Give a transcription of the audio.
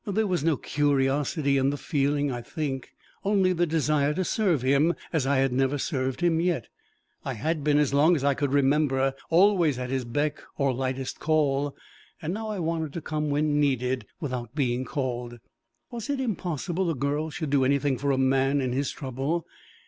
There was no curiosity in the feeling, I think, only the desire to serve him as I had never served him yet. I had been, as long as I could remember, always at his beck or lightest call; now I wanted to come when needed without being called. Was it impossible a girl should do anything for a man in his trouble?